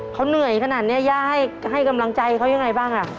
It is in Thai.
เขาเหนื่อยขนาดนี้ย่าให้กำลังใจเขายังไงบ้าง